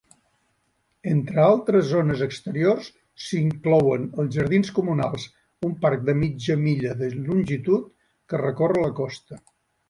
Entre altres zones exteriors s'inclouen els Jardins Comunals, un parc de mitja milla de longitud que recorre la costa.